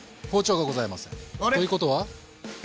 ということは？え？